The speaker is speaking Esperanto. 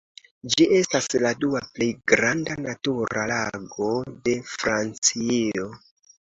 Ĝi estas la dua plej granda natura lago de Francio.